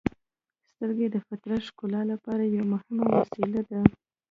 • سترګې د فطرت ښکلا لپاره یوه مهمه وسیله ده.